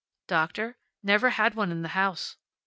Doctor? Never had one in the house.